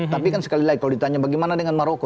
tapi kan sekali lagi kalau ditanya bagaimana dengan maroko